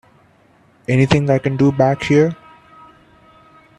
Anything I can do back here?